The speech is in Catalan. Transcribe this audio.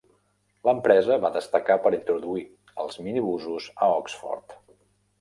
L'empresa va destacar per introduir els minibusos a Oxford.